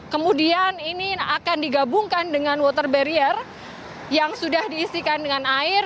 kemudian ini akan digabungkan dengan water barrier yang sudah diisikan dengan air